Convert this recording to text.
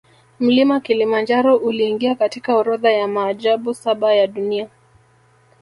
Mlima kilimanjaro uliingia katika orodha ya maajabu saba ya dunia